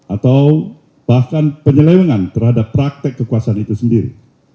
atau bahkan penyelewengan terhadap praktek kekuasaan itu sendiri